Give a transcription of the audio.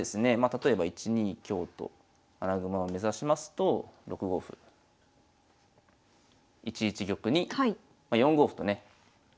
例えば１二香と穴熊を目指しますと６五歩１一玉に４五歩とね突かれて。